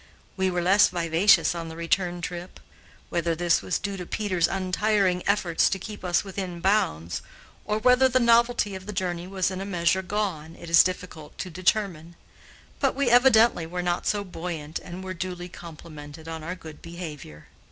We were less vivacious on the return trip. Whether this was due to Peter's untiring efforts to keep us within bounds, or whether the novelty of the journey was in a measure gone, it is difficult to determine, but we evidently were not so buoyant and were duly complimented on our good behavior.